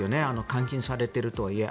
監禁されているとはいえ。